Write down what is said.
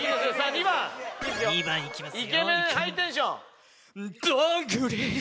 ２番２番いきますよ